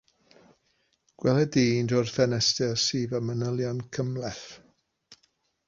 Gwelir dyn drwy'r ffenestr sydd â manylion cymhleth.